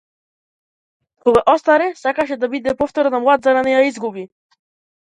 Кога остаре, сакаше да биде повторно млад за да не ја изгуби.